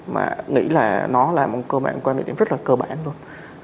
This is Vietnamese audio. mà nghĩ là nó là một quan điểm rất là cơ bản thôi